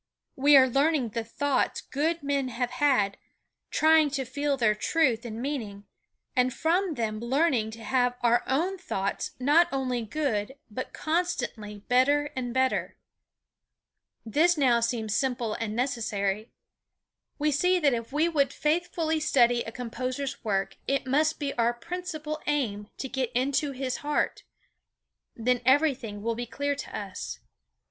We are learning the thoughts good men have had, trying to feel their truth and meaning, and from them learning to have our own thoughts not only good but constantly better and better. This now seems simple and necessary. We see that if we would faithfully study a composer's work it must be our principal aim to get into his heart. Then everything will be clear to us.